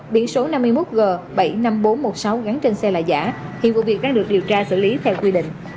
biển số năm mươi một g bảy mươi năm nghìn bốn trăm một mươi sáu gắn trên xe là giả hiện vụ việc đang được điều tra xử lý theo quy định